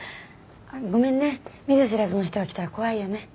ごめんね見ず知らずの人が来たら怖いよね。